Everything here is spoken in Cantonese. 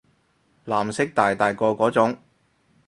藍色大大個嗰種